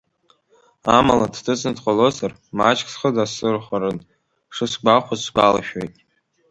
Амала, дҭыҵны дҟалозар, маҷк схы дасырхәарын шысгәахәыз сгәалашәоит.